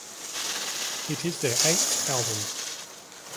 It is their eighth album.